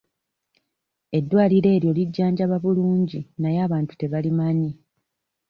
Eddwaliro eryo lijjanjaba bulungi naye abantu tebalimanyi.